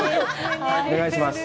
お願いします。